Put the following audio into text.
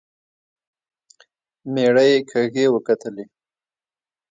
مېړه يې کږې وکتلې.